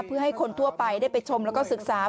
เพื่อให้คนทั่วไปได้ไปชมแล้วก็ศึกษา